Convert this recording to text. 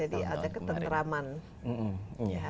jadi ada keteneraman di hati